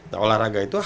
nah olahraga itu hal